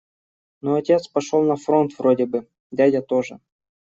Ну, отец пошёл на фронт вроде бы, дядя тоже.